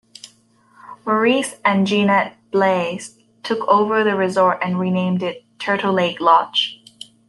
Maurice and Jeanette Blais took over the resort and renamed it "Turtle Lake Lodge".